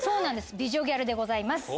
美女ギャルでございます。